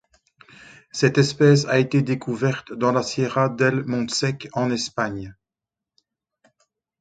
Cette espèce a été découverte dans la sierra del Montsec en Espagne.